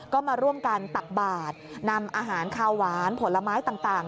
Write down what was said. ก็มาร่วมกันตักบาทนำอาหารคาวหวานผลไม้ต่าง